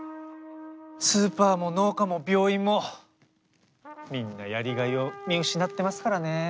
スーパーも農家も病院もみんなやりがいを見失ってますからね。